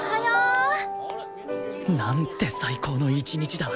なんて最高の一日だ